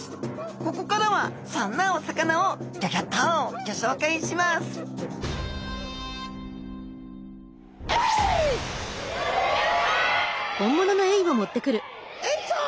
ここからはそんなお魚をギョギョッとギョ紹介しますエイちゃん！